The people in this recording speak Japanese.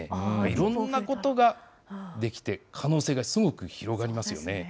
いろんなことができて、可能性がすごく広がりますよね。